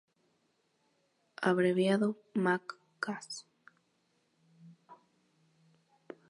Abreviado: Mak-Cas.